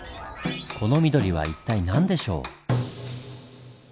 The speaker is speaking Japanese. この緑は一体何でしょう？